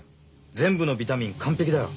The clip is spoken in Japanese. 全部のビタミン完璧だよ。